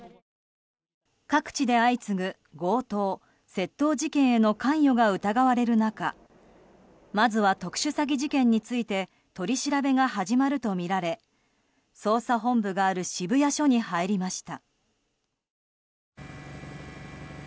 各地で相次ぐ強盗・窃盗事件への関与が疑われる中まずは特殊詐欺事件について取り調べが始まるとみられ捜査本部がある渋谷署に入りました。